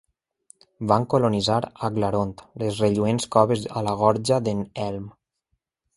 Van colonitzar Aglarond, les relluents coves a la Gorja d'en Helm.